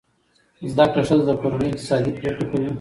زده کړه ښځه د کورنۍ اقتصادي پریکړې کوي.